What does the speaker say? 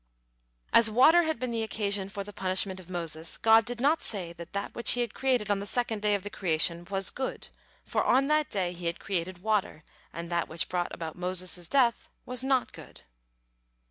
As water had been the occasion for the punishment of Moses, God did not say that that which He had created on the second day of the creation "was good," for on that day He had created water, and that which brought about Moses' death was not good.